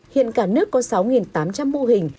hiện cả nước có sáu tám trăm linh mô hình